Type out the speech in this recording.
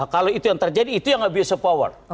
kalau itu yang terjadi itu yang abusing power